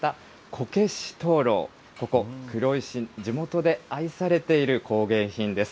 ここ、黒石、地元で愛されている工芸品です。